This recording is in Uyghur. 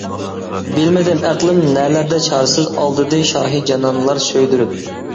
بىلمىدىم ئەقلىم نەلەردە چارىسىز، ئالدىدى شاھى جانانلار سۆيدۈرۈپ.